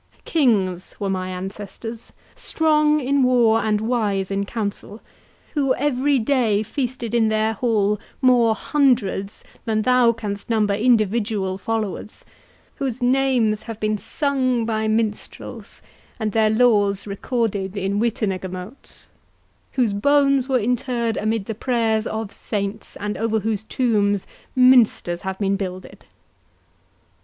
Kings were my ancestors, strong in war and wise in council, who every day feasted in their hall more hundreds than thou canst number individual followers; whose names have been sung by minstrels, and their laws recorded by Wittenagemotes; whose bones were interred amid the prayers of saints, and over whose tombs minsters have been builded."